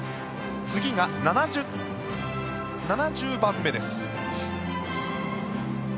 次が７０番目です。